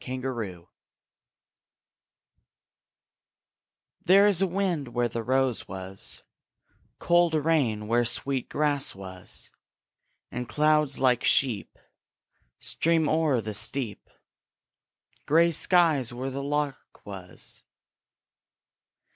AUTUMN There is a wind where the rose was; Cold rain where sweet grass was; And clouds like sheep Stream o'er the steep Grey skies where the lark was.